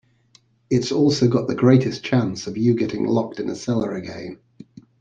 It's also got the greatest chance of you getting locked in a cellar again.